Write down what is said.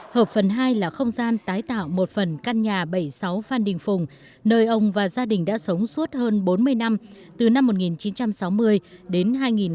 hợp phần hai là không gian tái tạo một phần căn nhà bảy mươi sáu phan đình phùng nơi ông và gia đình đã sống suốt hơn bốn mươi năm từ năm một nghìn chín trăm sáu mươi đến hai nghìn một mươi